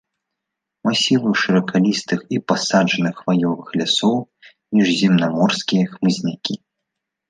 Масівы шыракалістых і пасаджаных хваёвых лясоў, міжземнаморскія хмызнякі.